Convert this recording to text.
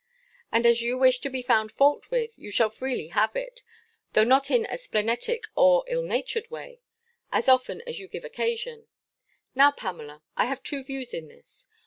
And as you wish to be found fault with, you shall freely have it (though not in a splenetic or ill natured way), as often as you give occasion. Now, Pamela, I have two views in this.